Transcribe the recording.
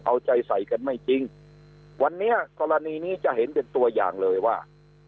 เอาใจใส่กันไม่จริงวันนี้กรณีนี้จะเห็นเป็นตัวอย่างเลยว่า